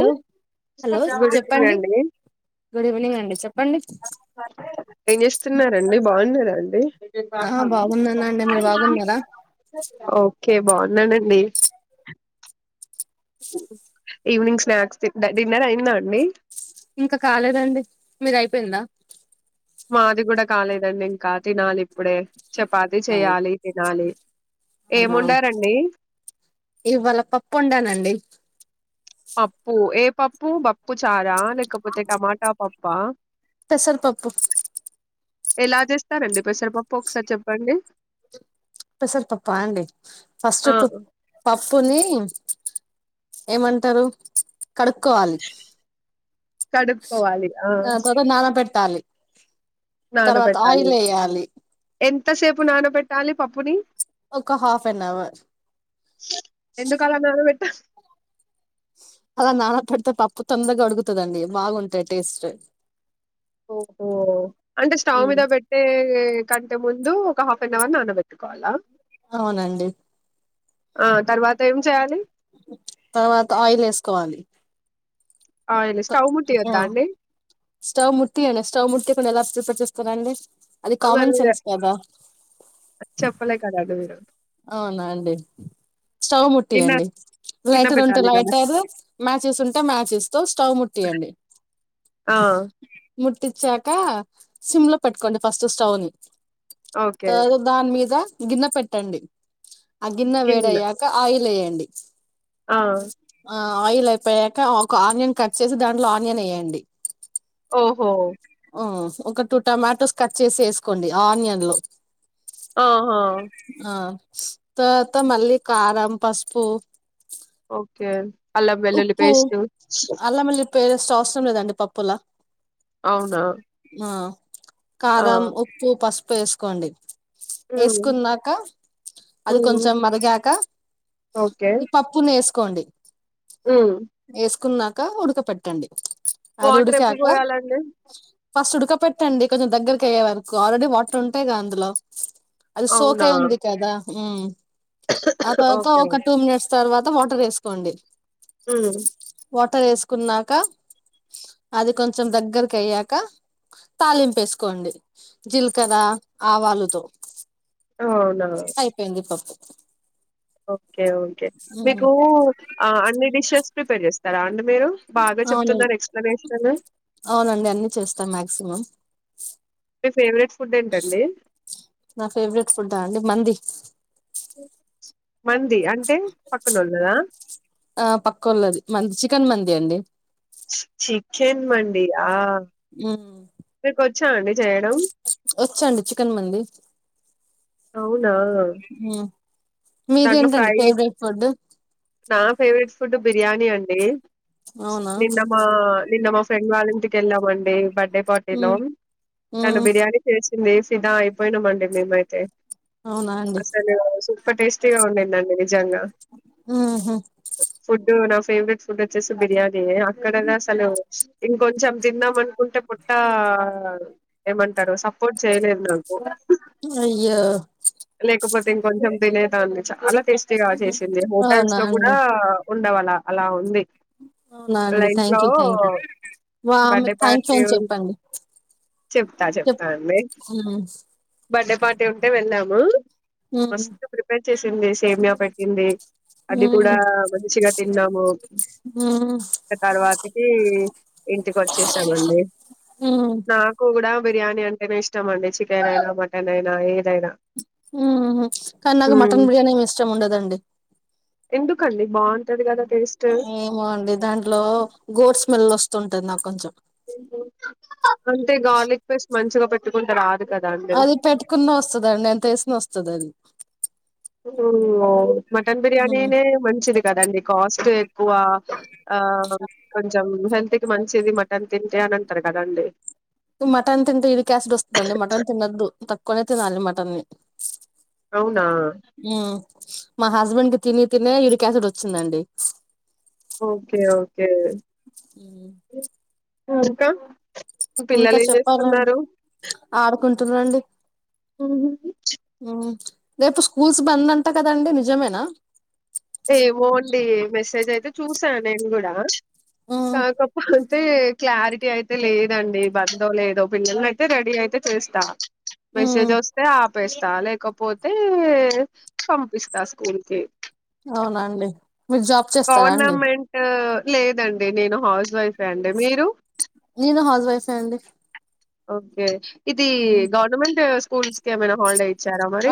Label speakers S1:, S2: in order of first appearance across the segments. S1: Hello hello
S2: good evening
S1: చెప్పండి
S2: అండి
S1: good evening అండి చెప్పండి
S2: ఏం చేస్తున్నారండి బాగున్నారా అండి
S1: ఆ బాగున్నానండి మీరు బాగున్నారా
S2: ఓకే కే బాగున్నానండి. ఈవినింగ్ స్నాక్స్ తి డిన్నర్ అయింద అండి
S1: ఇంకా కాలేదండి మీద అయిపోయిందా
S2: మాది కూడా కాలేదండి ఇంకా తినాలి ఇప్పుడే చపాతి చెయాలి తినాలి.
S1: అవునా
S2: ఏముండారండి
S1: ఇవాళ పప్పు ఒండాలండి
S2: పప్పు ఏ పప్పు బప్పు చారా లేకపోతే టమాటా పప్ప
S1: పెసరపప్పు
S2: ఎలా చేస్తారండి పెసరిపప్పు ఒకసారి చెప్పండి
S1: పెసర్ పప్ప అండి ఫస్ట్
S2: ఆ
S1: పు ప పోని ఏమంటారు. కడుక్కోవాలి
S2: కడుక్కోవాలి ఆ
S1: గ నాద పట్ ట్టాలి తర్వాత
S2: నానబెట్టాలి
S1: ఆయిల్ వేయాలి
S2: ఎంతసేపు నానబెట్టాలి పప్పుని
S1: ఒక హాఫ్ అన్ అవర్
S2: ఎందుకాడోర్ పెట్ట
S1: అవునా పప్పు తొందరగా ఉడుకుతాదండీ బాగుంటది టెస్ట్
S2: ఓహో అంటే స్టవ్ మీద పెట్టే కంటే ముందు హాఫ్ అన్ అవర్ నాన పెట్టుకోవాలా
S1: అవునండి
S2: ఆ తర్వాత ఏం చేయాలి.
S1: తర్వాత ఆయిల్ ఎసుకోవాలి
S2: ఆయిల్ స్టవ్ ముతి తీయద్దా అండి
S1: స్టవ్ ముట్టి యండి స్టవ్ ముట్టికుండా ఎలా ప్రిపేర్ చేస్తారు అండి అది
S2: మరి
S1: కామన్ సెన్స్ కదా
S2: చెప్పలే కదండి మీరు
S1: అవునా అండి స్టవ్ ముట్టి
S2: గిన్నె
S1: అండి
S2: గిన్నె
S1: లైటర్ ఉంటే
S2: పెట్టాలి కదా
S1: లైటర్ మ్యాచెస్ ఉంటే మ్యాచెస్ తో స్టవ్ ముట్టియండి
S2: ఆ
S1: ముట్టిచ్చాక సిమ్ లో పెట్టుకోండి ఫస్ట్ స్టవ్ ని
S2: ఓకే
S1: దాని మీద గిన్నె పెట్టండి ఆ గిన్నె వేడయ్యాక ఆయిల్ ఏయండి
S2: ఆ
S1: ఆయిల్ అయిపోయాక ఒక ఆనియన్ కట్ చేసి దాంట్లో ఆనియన్ వేయండి
S2: ఓహో
S1: ఆ, ఒక టూ టమాటోస్ కట్ చేసి వేసుకోండి ఆనియన్ లో
S2: ఆహా
S1: ఆ తర్వాత మళ్ళీ కారం, పసుపు
S2: ఓకే అల్ల వెల్లులి పేస్టు
S1: పేరేస్త అవసరం లేదండి పప్పులా
S2: అవునా
S1: ఆ
S2: ఆ
S1: కారం, ఉప్పు, పసుపు వేసుకోండి
S2: హ్మ్
S1: వేసుకున్నాక అది
S2: హ్మ్
S1: కొంచెం మరిగాక ఈ పప్పుని వేసుకోండి
S2: ఉ
S1: కున్నాక ఉడక పెట్టండి అది
S2: వాటర్ ఎప్పుడు
S1: ఉడికాక
S2: పోయాలండి
S1: ఫస్ట్ ఉడక పెట్టండి కొంచెం దగ్గరకి అయ్యే వరకు ఆల్రెడి వాటర్ ఉంటాయిగా అందులో అది
S2: అవునా
S1: సోకాయ ఉంది కదా ఉ ఆ
S2: ఓకే
S1: తర్వాత
S2: ఓకే
S1: ఒక టూ మినిట్స్ తర్వాత వాటర్ వేసుకోండి
S2: ఉ
S1: వాటర్ వేసుకున్నాక అది కొంచెం దగ్గరకి అయ్యాక తాలింపేసుకోండి జీలకర్ర, ఆవాలుతో
S2: అవునా
S1: అయిపోయింది పప్పు
S2: ఓకే ఓకే
S1: మ్మ్
S2: మీకు అన్ని డిషెస్ ప్రిపేర్ చేస్తారా అండి మీరు బాగా
S1: అవునండి
S2: చెప్తున్నారు ఎక్స్ప్లెనేషన్
S1: అవునండి అన్ని చేస్తా మాక్సిమం
S2: మీ ఫేవరెట్ ఫుడ్ ఏంటండి
S1: నా ఫేవరెట్ ఫుడ్ అండి మంది
S2: ఉ
S1: ఆ పక్కొల్లది మంది చికెన్ మంది అండి
S2: చికెన్ మండి ఆ
S1: ఉ
S2: చ్చా అండి చేయడం
S1: వచ్చండి చికెన్ మంది
S2: ఆ
S1: మ్మ్
S2: దాంట్లో
S1: మీదేంటండి
S2: ఫ్రై
S1: ఫేవరెట్ ఫుడ్
S2: నా ఫేవరెట్ ఫుడ్ బిర్యానీ అండి
S1: అవునా
S2: నిన్న మా నిన్న మా ఫ్రెండ్ వాళ్ళ ఇంటికి వెళ్ళామండి బర్త్డే పార్టీలో
S1: మ్మ్
S2: తను
S1: మ్మ్
S2: బిర్యానీ చేస్ వేసిన అయిపోయినామ అండి మేమైతే
S1: అవునా అండి
S2: అసలు ప్ప టేస్టీగా ఉండిందండి నిజంగా
S1: మ్మ్ హు
S2: ఫుడ్ నా ఫేవరెట్ ఫుడ్ వచ్చేసి బిర్యానీ అక్కడ అసలు ఇంకొంచెం తిన్నాం అనుకుంటే పొట్టా ఏమంటారు సపోర్ట్ చేయలేదు నాకు
S1: అయ్యో
S2: లేకపోతే ఇంకొంచెం తినేదాన్ని చాలా టేస్ట్ గా చేసింది హోటల్స్
S1: అవునా
S2: లో కూడా
S1: అండి
S2: ఉండవలా అలా ఉంది
S1: అవునా అండి
S2: లైఫ్
S1: థ్యాంక్
S2: లో
S1: యూ థ్యాంక్ యూ వా
S2: బర్డే
S1: ఆమెకు థ్యాంక్ యూ
S2: పార్టీ
S1: అని చెప్పండి
S2: చెప్తా
S1: చెప్
S2: చెప్తా అండి
S1: మ్మ్
S2: బర్త్డే పార్టీ ఉంటే వెళ్దాము
S1: మ్మ్
S2: మస్త్ ప్రిపేర్ చేసింది సేమియా పెట్టింది అది కూడా
S1: మ్మ్
S2: మంచిగా తిన్నాము
S1: మ్మ్
S2: తర్వాతికి ఇంటికి వచ్చేసామండి
S1: మ్మ్
S2: నాకు కూడా బిర్యానీ అంటేనే ఇష్టం అండి చికెన్ అయినా మటన్ అయినా ఏదైనా
S1: మ్మ్ హ్ కానీ నాకు
S2: హ్మ్
S1: మటన్ బిర్యానీ ఇష్టం ఉండదండి
S2: ఎందుకండి బాగుంటది కదా టేస్ట్
S1: ఏమో అండి దాంట్లో గోట్ స్మెల్ వస్తుంటది నాకు కొంచెం
S2: ఊ హ అంటే గార్లిక్ పేస్ట్ మంచిగా పెట్టుకుంటే రాదు కదా అండి
S1: అది పెట్టుకున్న వస్తదండి ఎంతేసిన వస్తది అది
S2: [unintelligible] మటన్ బిర్యానీనే మంచిది కదండి కాస్ట్ క్కువ ఆ కొంచెం హెల్త్ కి మంచిది మటన్ తింటే అని అంటరు కదండి
S1: మటన్ తింట యూరికాసిడ్ వస్తదండి మటన్ తిన్నద్దు తక్కువనే తినాలి మటన్ని
S2: అవునా
S1: మా హస్బెండ్ కి తిని తినే యూరికాసిడ్ వచ్చిందండి
S2: ఓకే ఓకే ఇంకా
S1: ఇంకా
S2: పిల్లలు ఏం చేస్తున్నారు
S1: తున్నాండి
S2: ఉ
S1: ఊ రేపు స్కూల్స్ బంద్ అంటా కదండి నిజమేనా
S2: ఏమో అండి డి మెసేజ్ అయితే చూసా నేను గూడా
S1: ఉమ్
S2: కాకపో తే క్లారిటీ అయితే లేదండి బందో లేదో పిల్లల్ని అయితే రెడీ అయితే చేస్తా
S1: ఉమ్
S2: మెస్సేజ్ వస్తే ఆ పేస్తా లేకపోతే పంపిస్తా స్కూల్ కి
S1: అవునా అండి మీరు జాబ్ చేస్తరా అండి
S2: గవర్నమెంట్ లేదండి నేను హౌస్ వైఫ్
S1: నేను హౌస్ వైఫే అండి
S2: ఓకే ఇది
S1: ఉమ్
S2: గవర్నమెంట్ స్కూల్స్ కి ఏమైనా హాలిడే ఇ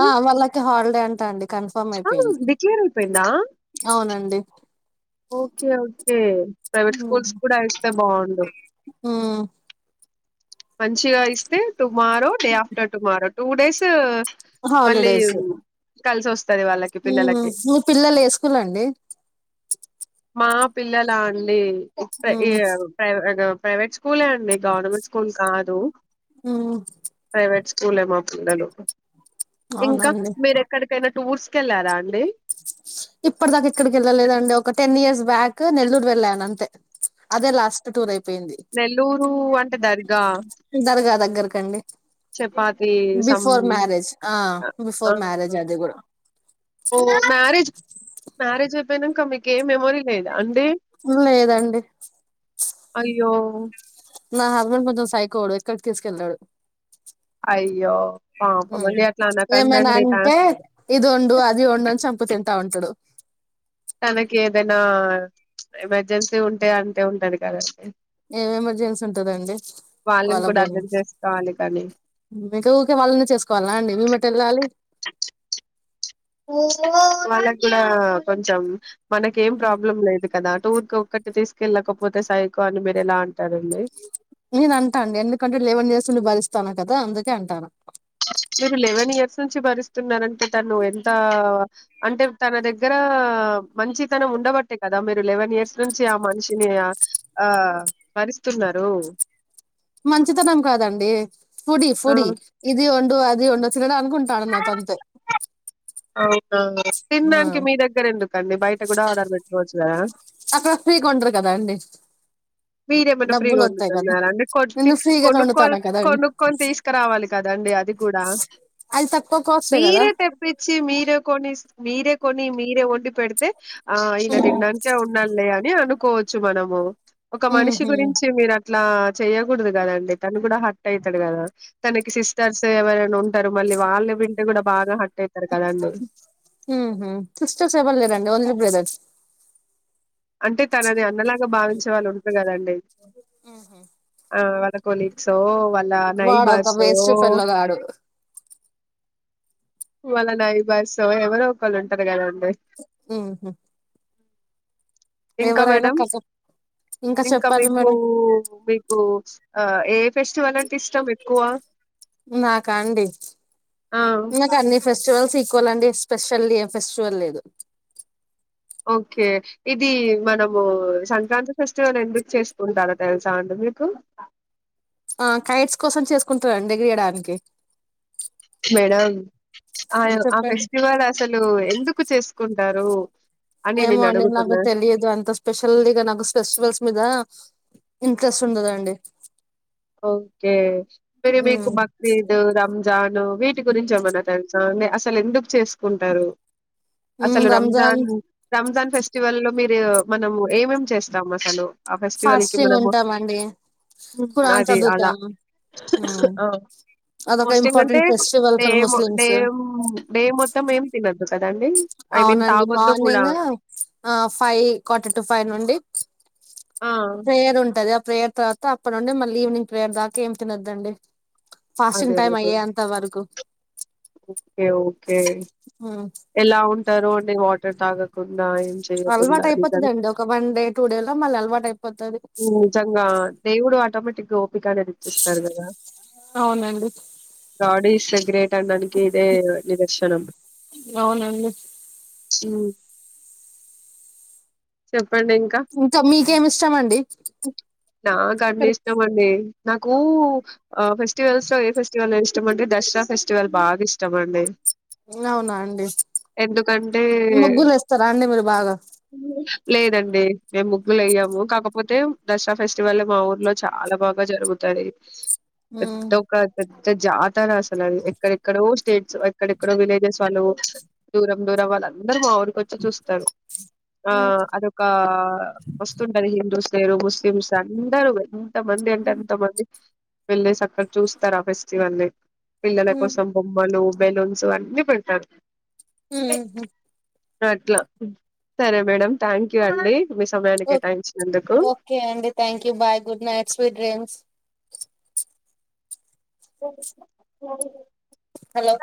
S1: ఆ వాళ్ళకి హాలిడే అంటా అండి కన్ఫర్మ్
S2: ఆ!
S1: అయిపోయింది
S2: డిక్లేర్ అయిపోయిందా
S1: అవునండి
S2: ఓకే ఓకే ప్రైవేట్ స్కూల్స్ కూడా ఇేస్తే బాగుండు
S1: ఉమ్
S2: మంచిగా ఇస్తే tomorrow day after tomorrow two days మళ్ళీ
S1: హాలిడేస్
S2: కలిసి వస్తది వాళ్ళకి
S1: ఊ
S2: పిల్లలకి
S1: మీ పిల్లలు ఏ స్కూల్ అండి
S2: మా పిల్లల అండి [unintelligible]
S1: ఉమ్
S2: ప్రైవేట్ స్కూలే అండి గవర్నమెంట్ స్కూల్ కాదు
S1: ఊ
S2: చూళ్ళే మా పిల్లలు ఇంకా
S1: అవునండి
S2: మీరెక్కడికయినా ఎక్కడికైనా టూర్స్ కి ఇంకా మీరు ఎక్కడికైనా టూర్స్ కి వెళ్ళారా అండి
S1: ఇప్పటి దాకా ఇక్కడికి వెళ్ళలేదండి ఒక టెన్ ఇయర్స్ బ్యాక్ నెల్లూరు వెళ్ళాను అంతే అదే లాస్ట్ టూర్ అయి
S2: నెల్లూరు అంటే దర్గా
S1: దర్గా అండి
S2: చపాతి సం
S1: బిఫోర్ మ్యారేజ్ ఆ
S2: ఆ
S1: బిఫోర్ మ్యారేజ్ అది గూడా
S2: ఓ మ్యారేజ్ మ్యారేజ్ అయిపోయినంక మీకు ఏ మెమోరీ లేదా అండి
S1: లేదండి
S2: అయ్యో
S1: నా హస్బెండ్ కొంచెం సైకోవోడు ఎక్కడికి తీసుకెళ్లడు
S2: అయ్యో
S1: ఊ
S2: పాపం అండి అట్లా
S1: ఏమైనా
S2: అనకండి
S1: అంటే ఇది వండు అది వండు అని చంపుకుతింట్ అంటడు
S2: తనకి ఏదైనా ఎమర్జెన్సీ ఉంటే అంటే ఉంటాడు కదండి
S1: ఏం ఎమర్జెన్సీ ఉంటదండి
S2: వాళ్ళని
S1: వాళ్ళ
S2: కూడా అర్థం
S1: ప్రాబ్లమ్స్
S2: చేసుకోవాలి కానీ
S1: మీకు ఊకే వాళ్ళనే చేసుకోవాల్నా అండి మేమేటు వెళ్ళాలి
S2: వాళ్ళకు కూడా కొంచెం మనకు ఏం ప్రాబ్లం లేదు కదా ఊరిక ఒక్కటి తీసుకెళ్ళకపోతే సైకో అని మీరు ఎలా అంటారండి
S1: నేను అంటా అండి ఎందుకంటే లేవన్ ఇయర్స్ నుండి భరిస్తాను కదా అందుకే అంటాను
S2: సస్ మీరు లెవెన్ ఇయర్స్ నుంచి భరిస్తున్నారంటే తను ఎంత అంటే తన దగ్గర మంచితనం ఉండబట్టే కదా మీరు లెవెన్ ఇయర్స్ నుం చి ఆ మనిషిని ఆ ఆ భరిస్తున్నారు
S1: మంచితనం కాదండి ఫుడి
S2: ఆ
S1: ఫుడి ఇది ఒ డు అది ఉండ తినడు అనుకుంటాడు నాతో అంతే
S2: ఆ
S1: ఆ
S2: తినడానికి మీ దగ్గర ఎందుకుండి బయట కూడా ఆర్డర్ పెట్టుకోవచ్చు కదా
S1: అక్కడ ఫ్రీగా వండరు కదా అండి
S2: మీరేమన్నా ఫ్రీగా
S1: డబ్బులు వత్తాయి కదా
S2: వండుతున్నారా అంటే కొట్టి
S1: నేను ఫ్రీగానే
S2: కొనుక్కోని
S1: వండుతాను కదా అండి
S2: కొనుక్కోని తీసుకురావాలి కదాండి అది కూడా
S1: అది తక్కువ కాస్టే కదా
S2: మీరే తెప్పించి మీరే కొని మీరే కొని మీరే వండి పెడితే ఆ ఈయన తిన్నాంకే ఉన్నాడు లే అంటే అనుకోవచ్చు మనము ఒక మనిషి
S1: ఉహు
S2: గురించి మీరు ఇట్లా చెయకూడదు కదండి తను కూడా హట్ అయితాడు కదా తనకి సిస్టర్స్ ఎవరైనా ఉంటారు మళ్ళ లే వాళ్ళే పె మీరు కూడా బాగా హట్ అవుతారు కదండి
S1: ఉహు సిస్టర్స్ ఎవరు లేరండి ఓన్లీ బ్రదర్స్
S2: అంటే తనని అన్నలాగా భావించే వాళ్ళు ఉంటారు కదండి ఆ కొలీగ్స్ వాళ్ళ
S1: వాడు ఒక
S2: నైబార్స్
S1: వేస్ట్ ఫెల్లో గాడు
S2: వాళ్ళ నైబర్స్ ఎవరో ఒకళ్ళు ఉంటారు కదండి
S1: ఉహుమ్
S2: ఇంకా
S1: ఎవరైనా
S2: మేడం
S1: క
S2: ఇంకా మీకు మీకు ఆ ఏ ఫెస్టివల్ అంటే ఇష్టం ఎక్కువ
S1: నాకా అండి
S2: ఆ
S1: ఇగ కానీ ఫెస్టివల్స్ ఈక్వల్ అండి స్పెషలీ ఏ ఫెస్టివల్ లేదు
S2: ఓకే ఇది మనము సంక్రాంతి ఫెస్టివల్ ఎందుకు చేసుకుంటారా తెలుసా అండి మీకు
S1: ఆ కైట్స్ కోసం చేసుకుంటారండి ఏగరేయడానికి
S2: మేడం ఆ ఆ
S1: చెప్పండి
S2: ఫెస్టివల్ అసలు ఎందుకు చేసుకుంట టారు
S1: ఏమో అండి నాకు తెలియదు అంత స్పెషలీగా నాకు ఫెస్టివల్స్ మీద ఇంట్రెస్ట్ ఉండదు అండి
S2: ఓకే పెరు మీకు
S1: ఉమ్
S2: ఒక్రీదు రం జాను వీటి గురించి ఏమన్నా తెలుసా అండి అసలు ఎందుకు చేసు కుంటారు అసలు రంజాన్ రంజాన్ ఫెస్టివల్ లో మీరు మనం ఏమేం చేస్తాం అసలు ఆ ఫెస్టివల్ కి
S1: ఫాస్టింగ్
S2: మనము
S1: ఉంటామండి ఖురాన్
S2: అదే అలా
S1: చదువుతాం ఉమ్ అదొక
S2: పోస్టింగ్ అంటే
S1: important festival
S2: day
S1: for
S2: day
S1: Muslims
S2: day మొత్తం ఏం తినొద్దు అసలు
S1: అవునండి మార్నింగ్ ఆ ఫైవ్ కొట టు ఫైవ్ నుండి
S2: ఆ
S1: ప్రేయర్ ఉంటది ఆ ప్రేయర్ తర్వాత అప్పటి నుండి మళ్ళీ ఈవినింగ్ ప్రేయర్ దాకా ఏం తినొద్దు అండి ఫాస్టింగ్
S2: అదే
S1: టైమ్
S2: అదే
S1: అయ్యే అంత వరకు
S2: ఓకే ఓకే
S1: ఉమ్.
S2: ఎలా ఉంటారో అండి వాటర్ తాగకుండా కుండా ఏం చేయకుండా
S1: అలవాటు
S2: నిదన్
S1: అయిపోతుందండి ఒక వన్ డే టూ డే లో మళ్ళీ అలవాటు అయిపోతది
S2: ఉ నిజంగా దేవుడు ఆటోమేటిక్ గా ఓపిక అనేది ఇచ్చిస్తారు కదా
S1: అవునండి
S2: సగ్రేట్ అనడానికి ఇదే నిదర్శనం
S1: అవునండి
S2: సు చెప్పండి ఇంకా
S1: మీకేమి ఇష్టం అండి
S2: నాకు అన్న
S1: ఎక్కడ
S2: ఇష్టం అండి నాకు ఆ ఫెస్టివల్స్ ఏ ఫెస్టివల్ ఇష్టం అంటే దసరా ఫెస్టివల్ బాగా ఇష్టమండి
S1: అవునా అండి
S2: ఎందుకంటే
S1: ముగ్గులు వేస్తారా అండి మీరు బాగా
S2: లేదండి మేము ముగ్గులు ఏయ్యాము కాకపో పోతే దసరా ఫెస్టివల్ మా ఊర్లో చాలా బాగా జరుగుతాయి
S1: ఉమ్,
S2: పెద్ద ఒక పెద్ద జాతర అసలు అది ఎక్కడెక్కడ వ స్టేట్స్ ఎక్కడెక్కడో విలేజెస్ వాళ్ళు దూరం దూరం వాళ్ళందరూ మా ఊరికి క వచ్చి చూస్తారు ఆ
S1: ఉమ్,
S2: అదొక వస్తుండ అది హిందూ మీరు ముస్లిమ్స్ అందరూ ఎంత మంది అంటే
S1: ఉమ్,
S2: ఎంత మంది వెళ్ళేసి అక్కడ చూస్తారు ఆ ఫెస్టివల్ ని పిల్లల
S1: ఉమ్,
S2: కోసం బొమ్మలు బెలూన్స్ అన్ని పెడతారు
S1: ఉహుమ్
S2: అట్లా సరే మేడం థ్యాంక్ యూ అండి మీ సమయాన్ని
S1: ఓ
S2: కేటాయించినందుకు
S1: ఓకే అండి thank you bye good night sweet dreams hello